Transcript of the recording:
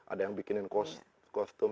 ada yang bikinin kostum